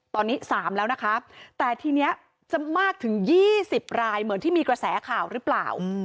ตอนนี้๓แล้วนะคะแต่ทีนี้จะมากถึง๒๐รายเหมือนที่มีกระแสข่าวหรือเปล่า